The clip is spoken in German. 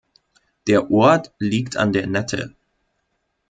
Der Ort liegt an der Nette.